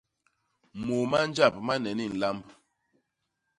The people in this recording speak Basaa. Môô ma njap ma nne ni nlamb.